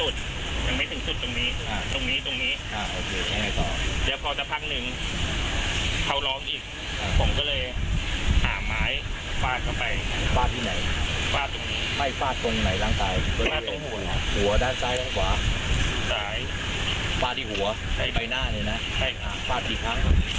สายวาดที่หัวใบหน้าเลยนะใช่ค่ะวาดอีกครั้งครับ